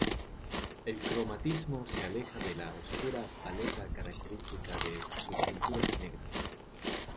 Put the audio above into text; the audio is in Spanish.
El cromatismo se aleja de la oscura paleta característica de sus "Pinturas negras".